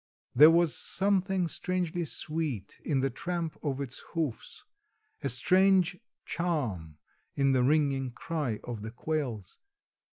There was something strangely sweet in the tramp of its hoofs, a strange charm in the ringing cry of the quails.